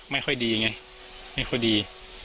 ไม่ค่อยดีไง